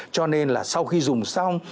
cho nên là sau khi dùng xong